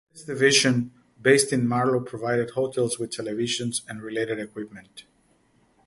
This division, based in Marlow provided hotels with televisions and related equipment.